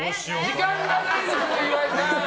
時間がないですよ、岩井さん！